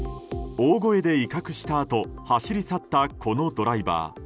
大声で威嚇したあと走り去った、このドライバー。